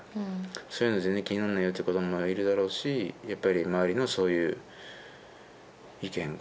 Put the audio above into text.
そういうの全然気にならないよっていう子どももいるだろうしやっぱり周りのそういう意見が意見というか聞かれ方がね。